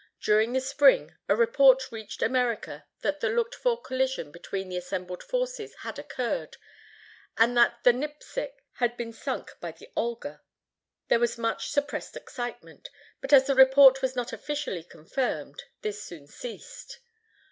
During the spring a report reached America that the looked for collision between the assembled forces had occurred, and that the Nipsic had been sunk by the Olga. There was much suppressed excitement; but as the report was not officially confirmed, this soon ceased.